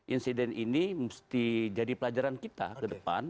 insiden ini mesti jadi pelajaran kita ke depan